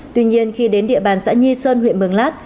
tuy nhiên khi đến địa bàn xã nhi sơn huyện mường lát